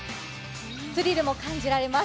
スリルも感じられます。